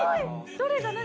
どれが何？